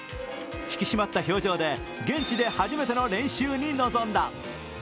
引き締まった表情で現地で初めての練習に臨んだ。